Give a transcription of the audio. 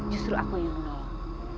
justru aku yang menolong